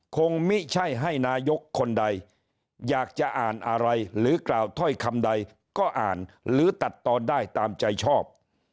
คงไม่ใช่ให้นายกคนใดอยากจะอ่านอะไรหรือกล่าวถ้อยคำใดก็อ่านหรือตัดตอนได้ตามใจชอบ